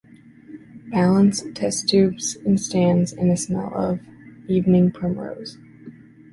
Balance, test-tubes in stands, and a smell of — evening primrose.